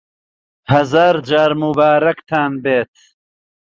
هەزار جار موبارەکتان بێت